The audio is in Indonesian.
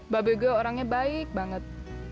babelgo orangnya baik banget